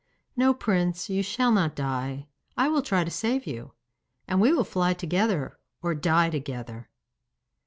'No, Prince, you shall not die. I will try to save you. And we will fly together or die together.